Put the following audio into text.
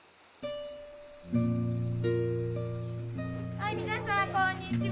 はい皆さんこんにちは。